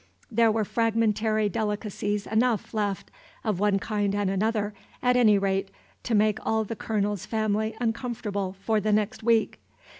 There were fragmentary delicacies enough left, of one kind and another, at any rate, to make all the Colonel's family uncomfortable for the next week.